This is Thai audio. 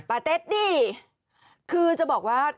เต็ดนี่คือจะบอกว่า